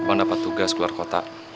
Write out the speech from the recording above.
abang dapat tugas keluar kota